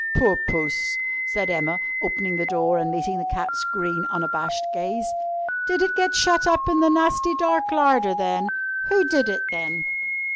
"Poor Puss!" said Emma, opening the door and meeting the cat's green, unabashed gaze. "Did it get shut up in the nasty dark larder, then? Who did it, then?"